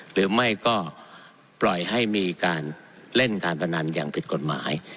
หรือไม่ก็ปล่อยให้มีการเล่นการพนันอย่างผิดกฎหมาย